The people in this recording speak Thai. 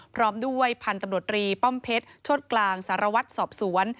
พร้อมด้วยพันธุ์ตำรวจรีป้อมเพชรโชธกลางสารวัตรสอบสวน